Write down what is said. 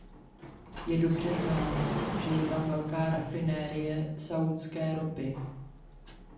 Je dobře známo, že je tam velká rafinérie saúdské ropy.